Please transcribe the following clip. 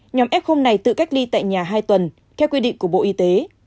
nhóm f này tự cách ly tại nhà hai tuần theo quy định của bộ y tế